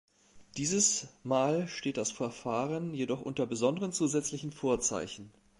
Dieses Mal steht das Verfahren jedoch unter besonderen zusätzlichen Vorzeichen.